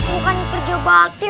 bukannya kerja bakti